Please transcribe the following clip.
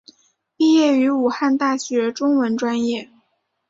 毕业于武汉大学中文专业。